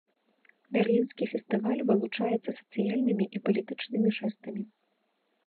Берлінскі фестываль вылучаецца сацыяльнымі і палітычнымі жэстамі.